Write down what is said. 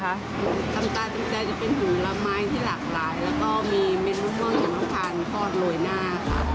ตำตาตำใจจะเป็นหุวละไม้ที่หลากหลายแล้วก็มีเมนูเมื่อย่างร้อนทานพอดโรยหน้าค่ะ